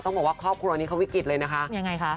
ต้องบอกว่าครอบครัววิคุณเลยนะคะยังไงคะ